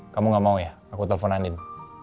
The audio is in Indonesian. kamu gak mau ya aku telfon andin